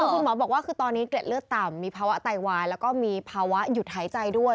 คุณหมอบอกว่าคือตอนนี้เกล็ดเลือดต่ำมีภาวะไตวายแล้วก็มีภาวะหยุดหายใจด้วย